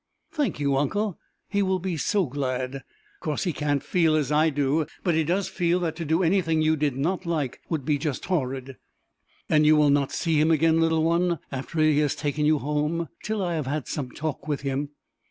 "Thank you, uncle! He will be so glad! Of course he can't feel as I do, but he does feel that to do anything you did not like, would be just horrid." "And you will not see him again, little one, after he has taken you home, till I have had some talk with him?"